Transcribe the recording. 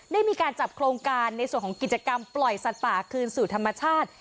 ได้มีการจับโครงการในส่วนของกิจกรรมปล่อยสัตว์ป่าคืนสู่ธรรมชาติ